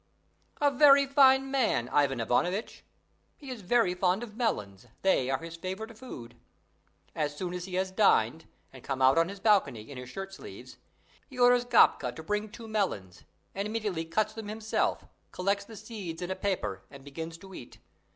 A very fine man, Ivan Ivanovitch! He is very fond of melons: they are his favourite food. As soon as he has dined, and come out on his balcony, in his shirt sleeves, he orders Gapka to bring two melons, and immediately cuts them himself, collects the seeds in a paper, and begins to eat.